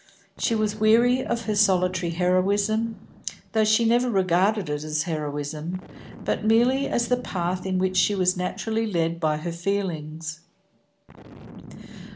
She was weary of her solitary heroism, though she never regarded it as heroism, but merely as the path in which she was naturally led by her feelings.